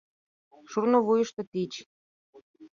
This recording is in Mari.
Шурно вуйышто тич